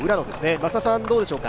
増田さん、どうでしょうか？